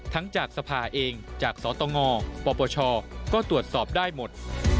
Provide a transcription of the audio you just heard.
จากสภาเองจากสตงปปชก็ตรวจสอบได้หมด